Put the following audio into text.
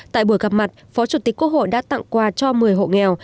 tại buổi gặp mặt phó chủ tịch quốc hội đã tặng quà cho một mươi hộ nghèo